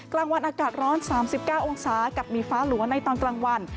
กลางวันอากาศร้อน๓๙องศากับมีฟ้าหลัวในตอนกลางวัน